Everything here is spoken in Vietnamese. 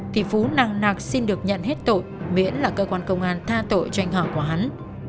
thì phú nào nạc xin được nhận hết tội miễn là cơ quan công an tha tội cho anh hỏi của hắn